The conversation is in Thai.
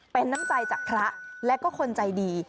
เป็นน้ำใจจากพระและก็คนใจดี